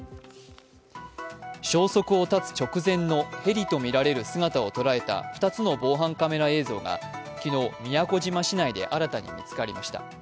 消息を絶つ直前のヘリとみられる姿を捉えた２つの防犯カメラ映像が昨日宮古島市内で新たに見つかりました。